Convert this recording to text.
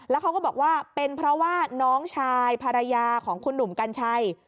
แล้วเขาก็บอกว่าเป็นเพราะว่าน้องชายภรรยาของคุณหนุ่มกัญชัย